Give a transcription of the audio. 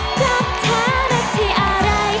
กลับเฉะ๒๒๐